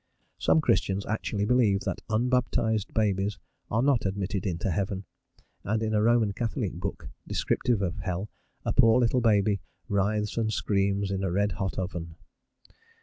Some Christians actually believe that unbaptized babies are not admitted into heaven, and in a Roman Catholic book descriptive of hell, a poor little baby writhes and screams in a red hot oven.